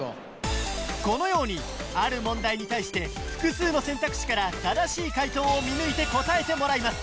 このようにある問題に対して複数の選択肢から正しい解答を見抜いて答えてもらいます